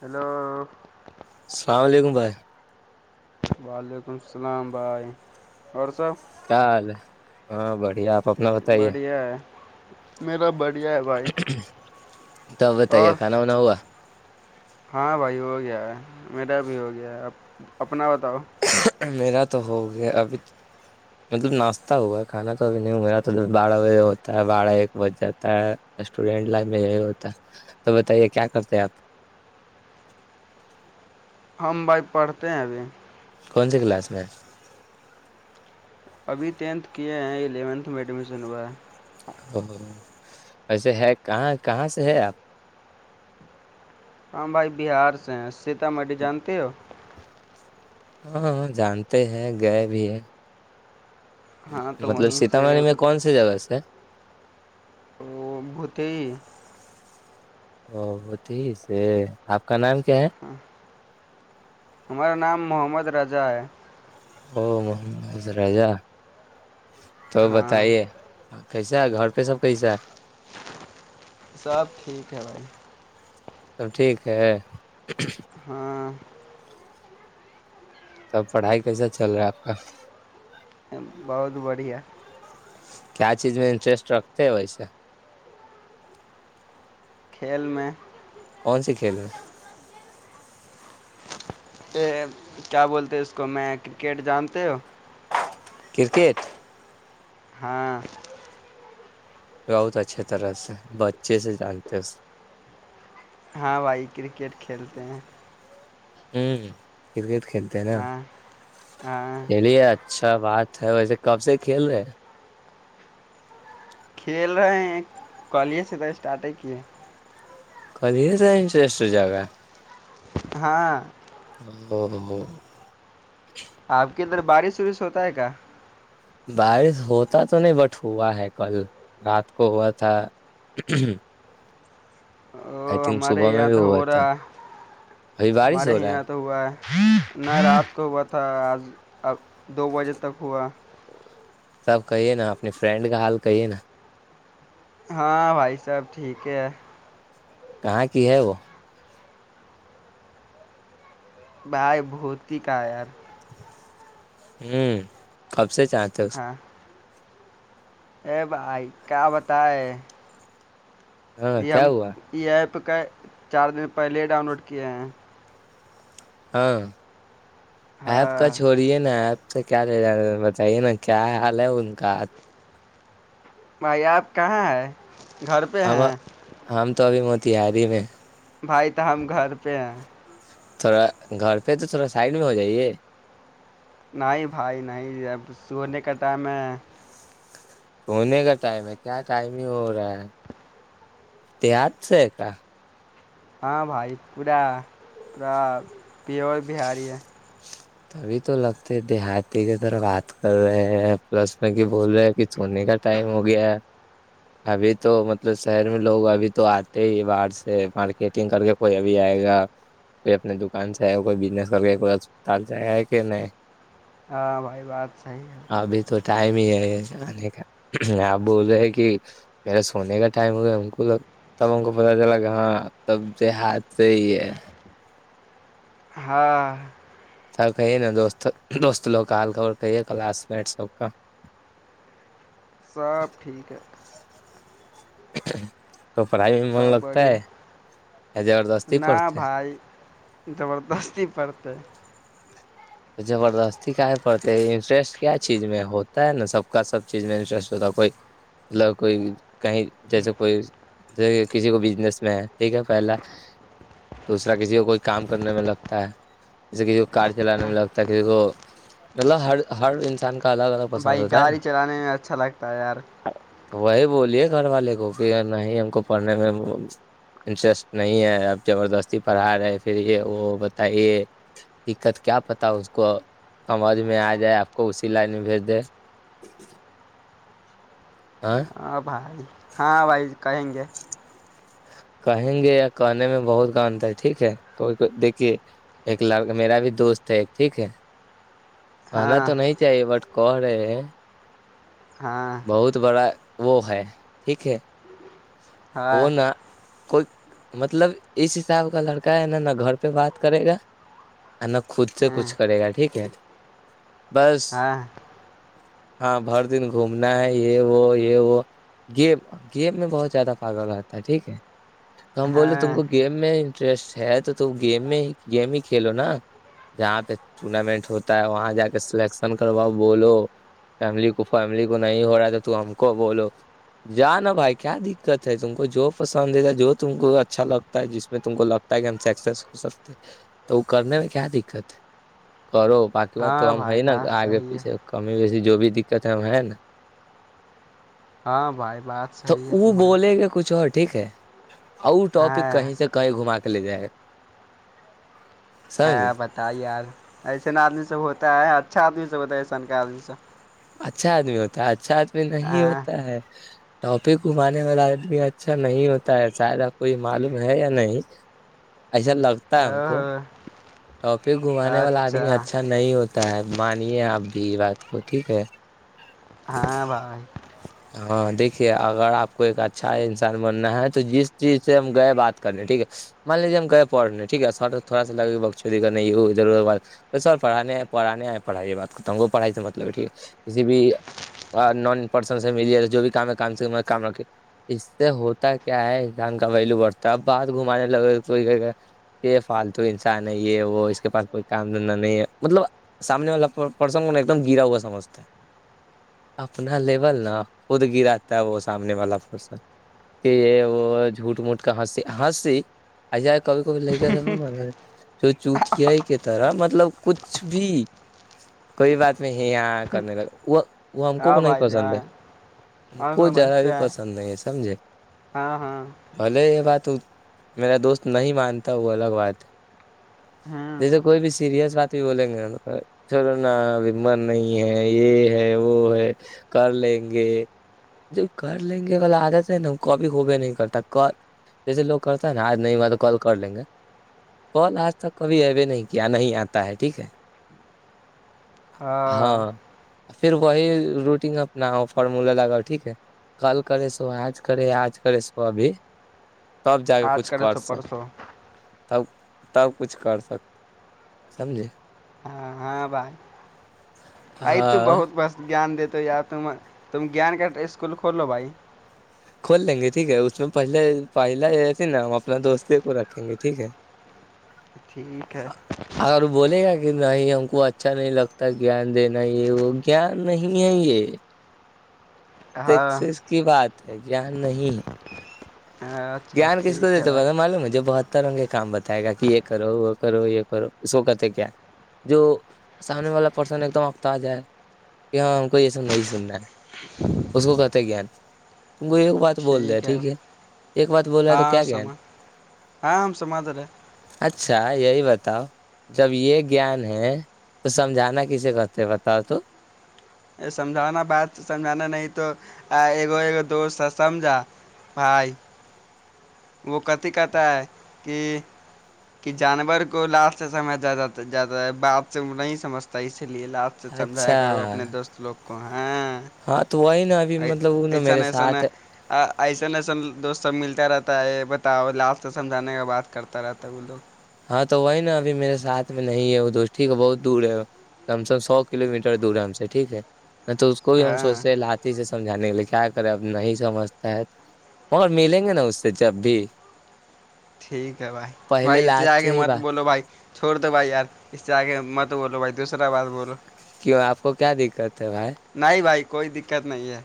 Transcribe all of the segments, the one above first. Hello السلام علیکم بھائی وعلیکم السلام بھائی اور صاحب کیا حال ہے ہاں بڑھیا آپ اپنا بتائیے بڑھیا ہے میرا بڑھیا ہے بھائی توبت اور کھانا ہونا ہوا ہاں بھائی ہو گیا ہے میریرا بھی ہو گیا ہے اب اپنا بتاؤ میرا تو ہو گیا ابھی مطلب ناشتہ ہوا ہے کھانا تو اب نہیںگیرا تو بارہ بجے ہوتا ہے بارہ ایک بجے جات اسٹوڈینٹ لائف میں یہی ہوتا تو بتائیے کیا کرتے ہیں آپ ہم بھائی پڑھتے ہیں ابھی کون سی کلاس میں ابھی ٹینتھ کیے ہیں الیونتھ میں ایڈمیشن ہوا ہے او ویسے ہے کہاں کہاں سے ہے آپ ہاں بھائی بہار سے ہیں سیتامڑھی جانتے ہو ہاں ہاں جانتے ہیں گئے بھی ہے ہاں تو مطلب وہیں سے سیتامڑھی میں کون سی جگہ سے او بھوتے او وہ تھی سے آپ کا نام کیا ہے ہ ہمارا نام محمد رجا ہے ا محمد راجا تو ہاں بتائیے ہ کیسا ہے گھر پہ سب کیس ہے سب ٹھیک ہے بھائی سب ٹھیک ہے ہاں تب پڑھائی کیسا چل رہا ہے آپ کا بہت بڑھیا کیا چیز میں انٹرسٹ رکھتے ہیں ویسے کھیل میں کون سےی کھیلنا ہیں کہ کیا بولتے اس کو میں کرکٹ جانتے ہو کررکٹ ہاں بہت اچھے طرح سے بچے سے جانتے ہیں اس ہاں بھائی کرکٹ کھیلتے ہیں ہ کرکٹ کھیلتے ہیں نا ہاں ہاں کلی ا اچھا بات ہے ویسے کب سے کھیل رہے کھیل رہے ہیں کالج سے تو اسٹارٹ ہی کیے کل سائٹرسٹ جگہ- ہاں ند- ند آپ کے اندر بارش وارش ہوتا ہے کیا? بارش ہوتا تو نہیں بٹ ہوا ہے کل رات کو ہوا تھا- او تھنک ہمارے صبح میں یہاں بھی تو ہو ہوا تھا رہا ابھی بارش ہمارے ہو رہا ہے یہاں تو ہوا ہے- میں رات کو ہوا تھا آج ا دو بجے تک ہوا- سب کہیے نا اپنی فرینڈ کا حال کہیے نا ہاں بھائی سب ٹھیک ہے- کہاں کی ہے وہ بائی بھوتی کا یار- ہوں کب سے چاہتے ہو- ہاں ا بھائی کیا بتائے- ہاں یہ کیا ہم ہوا یہ ہے پکائے چار دن پہلے ڈاؤن لوڈ کیے ہیں- ہاں, آپ کا ہاں چھو- یہ نا ایپ سے کیا لے جانا بتائیے نا کیا حال ہے ان کا- بھائی آپ کہاں ہیں گھر پہ ہم ہیں- ہم تو ابھی موتیہاری ہی میں- بھائی تو ہم گھر پہ ہیں- تھوڑا گھر پہ تو تھوڑا سائڈ میں ہو جائیے- نہیں بھائی, نہیں اب سونے کا ٹائم ہے- سونے کا ٹائم ہے کیا ٹائم ہی ہو رہا ہے دیہات سے ہے کا ہاں بھائی, پورا پا پیور بہاری ہے- تبھی تو لگتے دیہاتی کی طرف بات کر رہے ہیں پلس میں بول رہے کہ سونے کا- ٹائم ہو گیا- ابھی تو مطلب شہر میں لوگ ابھی تو آتے ہی باہر سے مارکیٹنگ کر کے- کوئی ابھی آئے گا کوئی اپنے دکان سے آئے گا کوئی بزنس کر کے کوئی اسپتال سے آیا ہے کہ نہیں- ہاں بھائی بات صحیح ہے ابھی تو ٹائم ہی ہے آنے کا آپ بول رہے ہیں کہ- میرا سونے کا ٹائم ہو گیا ہم کو- سب ان کو پت چلا کہ ہاں تب د ہاتھ سے ہی ہے- ہاں سب کہیے نا دوست دوست لوگ کاال کر کہیے کلاس مٹ سب کا- [inaudible] سب ٹھیک ہے [unintelligible] تو پڑھائی میں من سب لگتا بڑھیا ہے زبردستی نہ پڑھتے- بھائی زبردستی پڑت ہے- تو زبردستی کا پڑتے انٹرسٹ کیا چیز میں ہوتا ہے نا سب کا سب چیز میں انٹرسٹ ہوتا ہے کوئی- لل کوئی کہیں جیسے کوئی- ج کسی کو بزنس میں ہے ٹھیک ہے پہلا- دوسرا کسی کو کوئی کام کرنے میں لگتا ہے جیسے کسی کو کار چلانے میں لگتا ہے- ہر- ہر ان کا الگ ال بھائی گاڑی چلانے میں اچھا لگتا ہے یار- تو وہی بولیے گھر والے کو کہ نہیں ہم کو پڑھنے میں- انٹرسٹ نہیں ہے اب زبردستی پڑھا رہے پھر یہ وہ بتائیے- دقت کیا پتا- تب اس کو سمجھ میں آ جائے آپ کو اسی لائن میں بھیج دے- آ ہاں بھائی ہاں بھائی کہیں گے کہیں گے یا کہنے میں بہت کاانتا ہے ٹھیک ہےئی دیکھیے ایک لڑک میرا بھی دوست ہے ایک ٹھیک ہے آنا ہاں تو نہیں تھ یہ بٹ کو رہ ہے ہاں بہت بڑا وہ ہے ٹھیک ہے ہ [unintelligible] اونا کوئی مطلب اس حساب کا لڑکا ہے ن نہا گھر پہ بات کرے گا ا نا خود سے کچھ کرے گا ٹھیک ہے بس ہاں ہاں بھر دن گھومنا ہے یہ وہ یہ وہ گیم گیم میں بہت زیادہ پاگا ہوگاتا ہے ٹھیک ہے تو ہم بولے تم ہاں کو گیف گ میں انٹرسٹ ہے تو تو گیم میں ہی گیم ہی کھیلو نا جہاں پہ ٹورنامنٹ ہوتا ہے وہاں جا کے سلیکشن کرواؤ بولو فیملی کو فیملی کو نہیں ہو رہا ہے تھا تو ہم کو بولو جاانا بھائی کیا د د ہے تم کو جو پسند ہے جو تم کو اچھا لگتا ہے جس میں تم کو لگتا ہے کہ ہم س سکتے تو وہ کرنے میں کیا دقت ہے کرو بق اس بات تو ہاں ہم بھائی ہے نا بات آگے صحیح ہے پیچھے کمی ویسی جو بھی دقت ہے ہم ہے نا ہاں بھائی بات صحیح ہے تمہارا گ کچھ اور ٹھیک ہے اور وہ ٹاپک ہاں کہیں سے کہیں گھما کے لے جائے گا ہے سمجھے بتتا یار ایسا آدمی سب ہوتا ہے اچھا آدمی سب ہوتا ہے ایسان کا آدمی سب اچھا آدمی ہوتا ہے اچھا آدمی نہیں ہاں ہوتا ہے ٹاپے گھمانے والا آدمی اچھا نہیں ہوتا ہے شادہ کوئی معلوم ہے یا نہیں ایسا لگتا ہے ا ہم ہ کو [unintelligible] ٹاپک گھمانے والا آدمی اچھا نہیں ہوتا ہے مانیے آپ بھی بات کو ٹھیک ہے ہاں بھائی ہاں ہاں دیکھیے اگر آپ کو ایک اچھا انسان بننا ہے تو جس چیز سے ہم گئے بات کرنے ٹھیک ہے مان لیجیے ہم گئی پڑ رہ نہیں ٹیک ہے تھوڑا لگے بک نہیں ادھر ادھر بات سر پڑھانے ہے پڑانے ہیں پڑائی بات تنگو پڑھائی سے تو مطلب ٹ ہے کسی بھی نان پرسن سے م جو بھی کام ہے کام سے کام رکھے اس سے ہوتا کیا ہے انسان کا ویلو بڑھتا ہے اب بات گھمانے لگے کو یہ فالتو انسان ہے یہ وہ اس کے پاس کوئی کام دھندہ نہیں ہے مطلب سامنے والا پرسن کو ن ایک دم گرا ہوا ستے اپنا لیول نا خود گراتا ہے وہ سامنے والا پرسن کہ یہ وہ جھوٹ موٹ کا ہسی ہسیسی ای کبھی کبھی لے گ س سوچ اتے کے طرح مطلب کچھ بھی کوئی بات نہیں ہے یہاں کرنے کا وہ وہ ہم کو ہاں نہیں بھائی پسند ہے ہاں م ہم کو جرا بھی سمجھتے ہیں پسند نہیں ہے سمجے ہاں ہاں بھلے یہ بات میرا دوست نہیں مانتا وہ الگ بات ہے ہوں جیسے کوئی بھی سیریس بات بولیں گے چلو نابمر نہیں ہے یہ ہے وہ ہے کار ل ہ گے ج کر لیں گے وال عادت ہے نا وہ کبھی ہوبے نہیں کرتا کر جیسے لوگ کر ہے نا آج نہیں ہوا تو کال کر لیں گے کال آج تک کبھی ایبے نہیں کیا نہیں آتا ہے ٹھیک ہے ہاں پھر وہی روٹین اپنا فارمولا لگاؤ ٹھیک ہے کل کرے سو آج کرے آج کرے سو ابھی تب جا کے آج کچھ کرے کر سو سک پرسوں تب تب کچھ کر سکتے سمجھے ہاں ہاں بھائی بائی ت ہاں بہت بس جیان دیےتے یار تم تم گیان کا اسکول کھول لو بھائی کھول لیں گے ٹھیک ہے اس میں پہلے پہلا یہس نا ہم اپنا دوست کو رکھیں گے ٹھیک ہے ٹھیک ہے اور بولے گا کہ نہیں ہم کو اچھا نہیں لگتا گیان دینا یہ وہ گان نہیں ہے یہ ہاں سیکسیس کی بات ہے کیا نہیں ج [unintelligible] ہاں جیان کس کو دیتے بتا معلوم مجھے بہت تروں کے کام بتائے گا کہ یہ کرو وہ کرو یہ کرو اس کو کہتے کیا جو سامنے والا پرسن ایک دم افتاج ہے کہ ہاں ہم کوئی ایسا نہیں سننا ہے ہ [unintelligible] اس کو کہتے ہیں گیان تم کو ایک بات بول د ٹھیک ہے ایک بات بولا ہے تو ہاں کیا گیان سمان ہاں ہم سمادرے اچھا یہی بتاؤ جب یہ گیان ہے تو سمجھانا کسے کرتے ہیں بتاؤ تو یہ سمجھانا بات سمجھانا نہیں تو ای دوست سمجھا بائے وہ کہتی کہتا ہے کہ کہ جانور کو لاسٹ سمے زیادہ زیادہ بات سے نہیں سمجھتا اسی لیے لاسٹ سمجھایا اچھا کرو اپنے دوست لوگ کو ہاں ہاں تو وہی نا ابھی مطلب وہ نا ایسن میرے ایسن ساتھ ہے ایسن ایسن دوست سب ملتا رہتا تا ہے بتاؤ لاسٹ سمجھانے کا بات کرتا رہتا ہے وہ لوگ ہاں تو وہی نا ابھی میرے ساتھ میں نہیں ہے وہ دوست ٹھیک ہے بہت دور ہے کم سےم سو کلو میٹر دور ہے ہم سے ٹھیک ہے تو اس کو بھی ہم ہاں سوچتے ہیں لات سے سمجانے کے لیے کیا کریں اب نہیں سمجتا ہے مگر ملیں گے نا اس سے جب بھی ٹھیک ہے بھائی پہلے بھائی اس سے آ لات کےے ہی مت بات بولو بھائی چھوڑ دو بھائی یار اس سے آگ مت بولو بھائی دوسرا بات بولو کیوں آپ کو کیا دقت ہے بھائی نہیں بھائی کوئی دقت نہیں ہے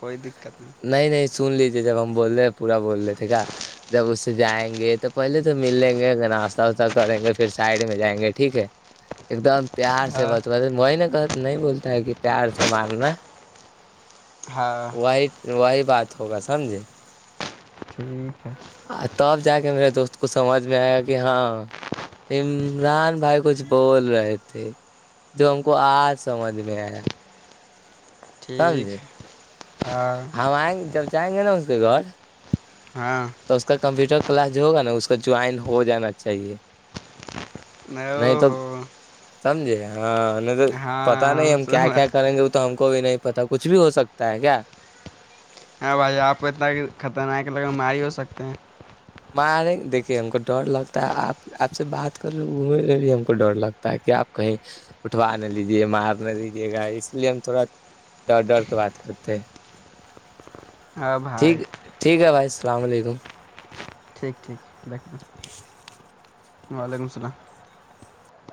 کوئی دقت نہیں نہیں نہیں سن لیجیے جب ہم بول رہے ہیں پورا بول رہے تھے کیا جب اس سے جائیں گے تو پہلے تو مل لیں گے ناشتہ واشہ کریں گے پھر سائڈ میں جائیں گے ٹھیک ہے ایک دم پیار سے ہاں بتو وہی ن کہ نہیں بول کہ پیار سے مارنا ہاں وائ وہی بات ہوگا سمجھے ٹھیک ہے تب جا کے میرے دوست کو سمجھ میں آئے گا کہ ہاں عمران بھائی کچھ بول رہے تھے جو ہم کو آج سمجھ میں آیا ٹھیک سمجھے ہے، ہاں ہم آئیں جب جائیں گے نا اس کے گھر ہاں تو اس کا کمپیوٹر کلاس جو ہوگا نا اس کا جوائن ہو جانا چاہیے نہیں او تو ہو سمجھے ہاں ہم تو پتا نہیں ہاں ہم کیا کیا کریں گے وہ تو ہم کو بھی نہیں پتا کچھ بھی ہو سکتا ہے کیا ہاں بھائی آپ کو اتنا کہ خطرناک ہے لگ ہماری ہی ہو سکتے ہیں مارے دیکھے ہم کو ڈر لگتا ہے آپ آپ سے بات کر رہ گوم رہے بھی ہم کو ڈر لگتا ہے کہ آپ کہیں اٹھوا نہ لیجیے مار نہ لیجیے گا اس لیے ہم تھوڑا ڈر ڈر کے بات کرتے ہیں ہاں ٹھیک بھائی ٹھیک ہے بھائی السلام علیکم ٹھیک ٹھیک ریک [inaudible] وعلیکم السلام